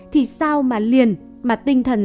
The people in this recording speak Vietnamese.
thì sao mà liền mà tinh thần